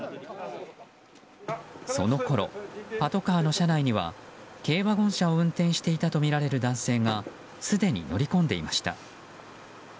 そのころ、パトカーの車内には軽ワゴン車を運転していたとみられる男性がすでに乗り込んでいました。